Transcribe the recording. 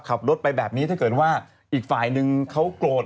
ขับรถไปแบบนี้ถ้าเกิดว่าอีกฝ่ายนึงเขาโกรธ